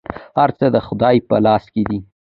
هر څه د خدای په لاس کې دي.